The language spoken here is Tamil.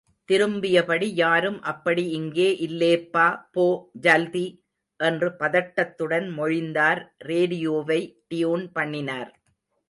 திரும்பியபடி, யாரும் அப்படி இங்கே இல்லேப்பா... போ.... ஜல்தி! என்று பதட்டத்துடன் மொழிந்தார் ரேடியோவை டியூன் பண்ணினார்.